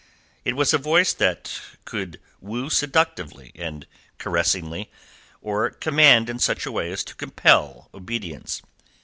It was a voice that could woo seductively and caressingly, or command in such a way as to compel obedience.